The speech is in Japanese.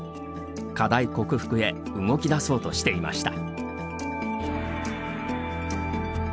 課題克服へ動き出そうとしていました。